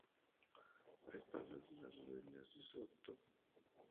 A espaldas de las ruinas de Sto.